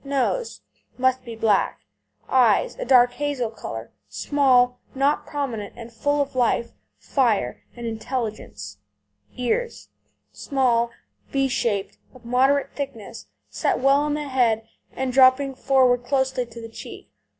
NOSE Must be black. EYES A dark hazel colour, small, not prominent, and full of life, fire, and intelligence. EARS Small and V shaped, of moderate thickness, set well on the head, and dropping forward closely to the cheek.